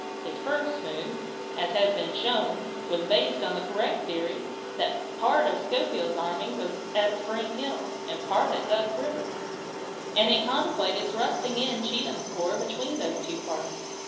His first move, as has been shown, was based on the correct theory that a part of Schofield's army was at Spring Hill and a part at Duck river, and it contemplated thrusting in Cheatham's corps between those two parts.